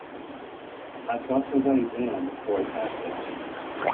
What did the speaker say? I’ve got to wait in for a package.